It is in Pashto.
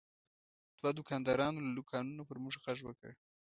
دوه دوکاندارانو له دوکانونو پر موږ غږ وکړ.